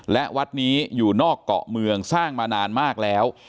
และวัดนี้อยู่นอกเกาะเมืองสร้างมานานมากแล้ว